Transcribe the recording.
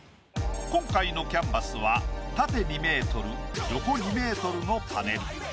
今回のキャンバスは縦２ｍ横２ｍのパネル。